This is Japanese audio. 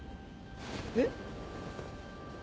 えっ？